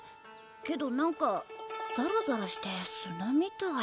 けど何かザラザラして砂みたい。